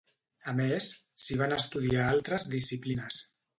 A més, s'hi van estudiar altres disciplines.